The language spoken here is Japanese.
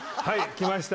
きました。